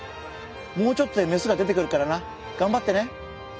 もうちょっとでメスが出てくるからながんばってね。